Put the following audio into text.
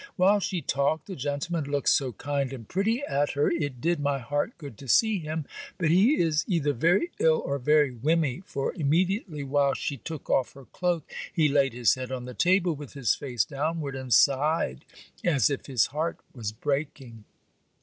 While she talked, the gentleman looked so kind and pretty at her it did my heart good to see him; but he is either very ill or very whimmy, for, immediately, while she took off her cloak, he laid his head on the table with his face downward and sighed as if his heart was breaking.'